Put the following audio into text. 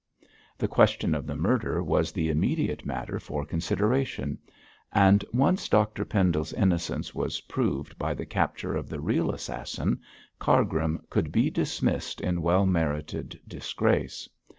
The question of the murder was the immediate matter for consideration; and once Dr Pendle's innocence was proved by the capture of the real assassin, Cargrim could be dismissed in well merited disgrace.